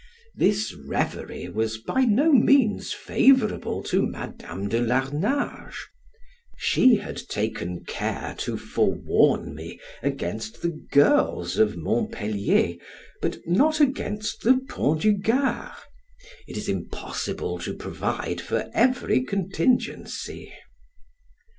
This reverie was by no means favorable to Madam de Larnage; she had taken care to forewarn me against the girls of Montpelier, but not against the Pont du Gard it is impossible to provide for every contingency.